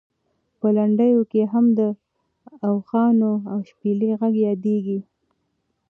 په لنډیو کې هم د اوښانو او شپېلۍ غږ یادېږي.